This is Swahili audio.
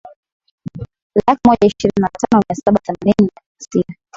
laki moja ishirini na tano mia saba themanini na sita